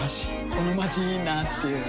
このまちいいなぁっていう